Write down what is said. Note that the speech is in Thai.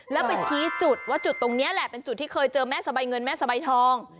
แล้วไปชี้จุดว่าจุดตรงนี้แหละเป็นจุดที่เคยเจอแม่สะใบเงินแม่สะใบทอง